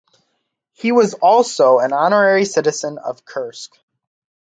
He was also an Honorary Citizen of Kursk.